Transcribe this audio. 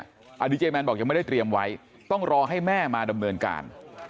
อันนี้เจแมนบอกยังไม่ได้เตรียมไว้ต้องรอให้แม่มาดำเนินการ